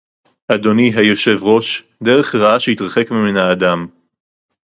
אדוני היושב-ראש: דרך רעה שיתרחק ממנה האדם